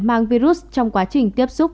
mang virus trong quá trình tiếp xúc